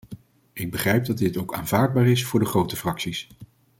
Ik begrijp dat dit ook aanvaardbaar is voor de grote fracties.